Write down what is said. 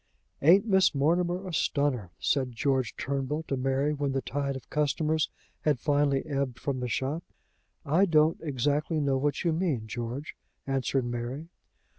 "Ain't Miss Mortimer a stunner?" said George Turnbull to Mary, when the tide of customers had finally ebbed from the shop. "I don't exactly know what you mean, George," answered Mary.